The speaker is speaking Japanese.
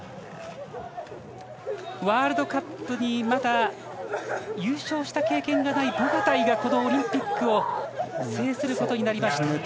ワールドカップにまだ優勝した経験がないボガタイが、このオリンピックを制することになりました。